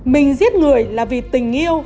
mình giết người là vì tình yêu